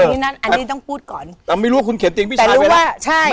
เอออันนี้ต้องพูดก่อนเราไม่รู้ว่าคุณเข็นเตียงพี่ชายไปแล้วแต่รู้ว่าใช่